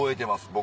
僕